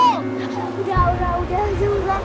udah udah udah zulat